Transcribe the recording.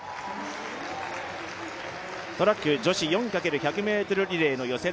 トラック、女子４×１００ｍリレーの予選